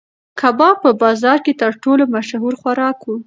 کباب په بازار کې تر ټولو مشهور خوراک و.